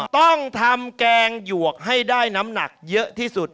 ต้องทำแกงหยวกให้ได้น้ำหนักเยอะที่สุด